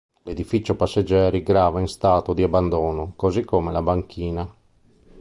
L'edificio passeggeri grava in stato di abbandono, così come la banchina.